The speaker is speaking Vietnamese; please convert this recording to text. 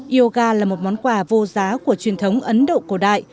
yoga là một món quà vô giá của truyền thống ấn độ cổ đại